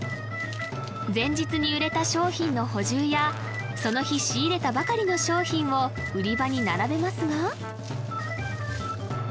前日に売れた商品の補充やその日仕入れたばかりの商品を売り場に並べますが